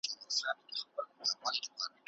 خرافات پریږدئ.